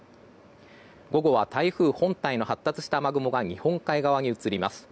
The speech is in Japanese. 午後は台風本体の発達した雨雲が日本海側に移ります。